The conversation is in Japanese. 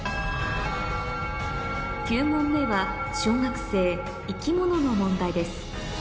９問目は小学生の問題です